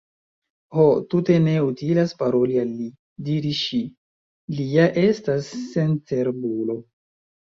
"Ho, tute ne utilas paroli al li," diris ŝi, "li ja estas sencerbulo."